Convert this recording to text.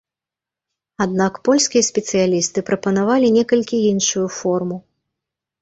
Аднак польскія спецыялісты прапанавалі некалькі іншую форму.